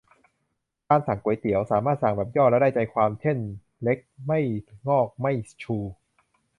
การสั่งก๋วยเตี๋ยว สามารถสั่งแบบย่อแล้วได้ใจความ เช่นเล็กไม่งอกไม่ชู